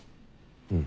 うん。